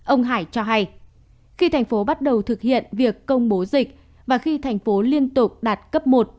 ông hải cho hay khi tp hcm bắt đầu thực hiện việc công bố dịch và khi tp hcm liên tục đạt cấp một